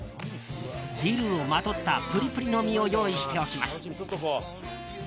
ディルをまとったプリプリの身を用意しておきます。